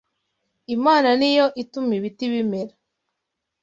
Imana ni yo ituma ibiti bimera